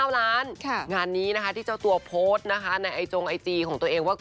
๓๙ล้านงานนี้นะครับที่เจ้าตัวโพสต์ในจงไอจีท์ของตัวเองว่า